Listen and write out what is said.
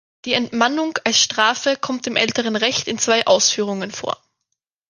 Die Entmannung als Strafe kommt im älteren Recht in zwei Ausführungen vor.